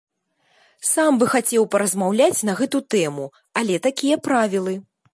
Сам бы хацеў паразмаўляць на гэту тэму, але такія правілы.